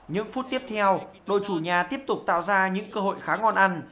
những phút tiếp theo đội chủ nhà tiếp tục tạo ra những cơ hội khá ngon ăn